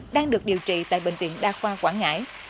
đang được điều trị tại bệnh viện đa khoa quảng ngãi